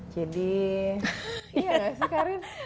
jadi iya gak sih karin